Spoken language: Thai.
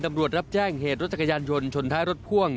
รับแจ้งเหตุรถจักรยานยนต์ชนท้ายรถพ่วง